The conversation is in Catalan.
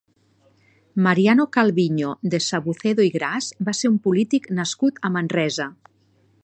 Mariano Calviño de Sabucedo i Gras va ser un polític nascut a Manresa.